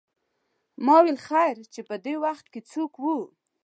ما ویل خیر وې چې پدې وخت څوک و.